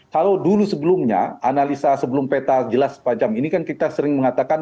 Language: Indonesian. kalau dulu sebelumnya analisa sebelum peta jelas sepanjang ini kan kita sering mengatakan